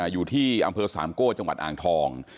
อยู่ที่อำเภอสามโก้จังหวัดอ่างทอง